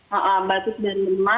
jadi saya mulai dulu aja ya